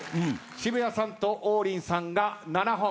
渋谷さんと王林さんが７本。